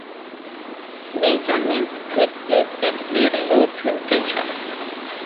Measurements take place at very low temperatures.